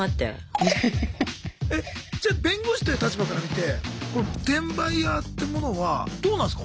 じゃ弁護士という立場から見てこれ転売ヤーってものはどうなんすか